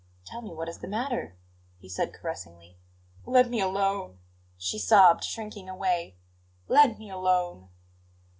"Tell me what is the matter," he said caressingly. "Let me alone!" she sobbed, shrinking away. "Let me alone!"